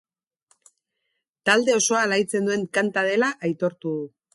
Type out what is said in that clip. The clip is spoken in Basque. Talde osoa alaitzen duen kanta dela aitortu du.